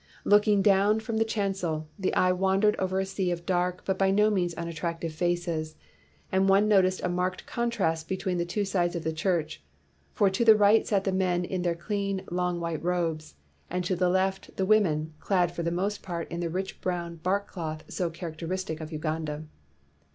Looking down from the chancel, the eye wandered over a sea of dark but by no means unattractive faces, and one noticed a marked contrast between the two sides of the church, for to the right sat the men in their clean, long white robes, and to the left the women, clad for the most part in 276 DID IT PAY? the rich brown bark cloth so characteristic of Uganda.